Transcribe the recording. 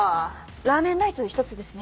ラーメンライス１つですね。